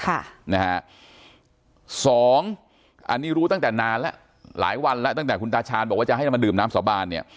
ค่ะนะฮะสองอันนี้รู้ตั้งแต่นานแล้วหลายวันแล้วตั้งแต่คุณตาชาญบอกว่าจะให้เรามาดื่มน้ำสาบานเนี่ย